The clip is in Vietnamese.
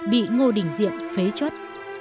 bị ngô đình diệp phế chốt